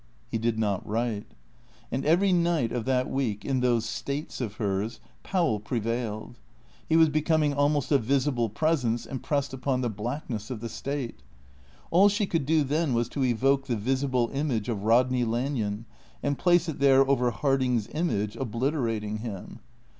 He did not write. And every night of that week, in those "states" of hers, Powell prevailed. He was becoming almost a visible presence impressed upon the blackness of the "state." All she could do then was to evoke the visible image of Rodney Lanyon and place it there over Harding's image, obliterating him.